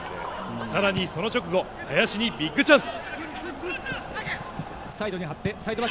更に、その直後林にビッグチャンス。